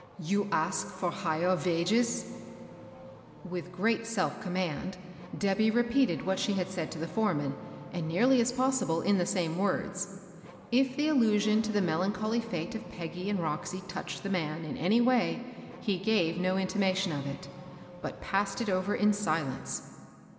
You ask for higher vages ?" With great self command Debby repeated what she had said to the foreman, and, nearly as pos sible, in the same words. If the allnsion to the melancholy fete of Peggy and Roxy touched the man, in any way, he gave no intimation of it, but passed it over in silence.